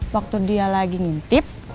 waktu dia lagi ngintip